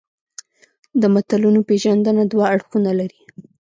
د متلونو پېژندنه دوه اړخونه لري